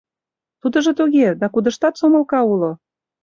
Тудыжо туге, да кудыштат сомылка уло.